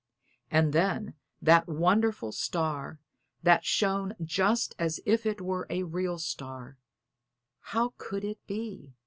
And then that wonderful star, that shone just as if it were a real star how could it be!